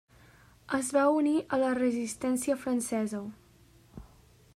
Es va unir a la Resistència francesa.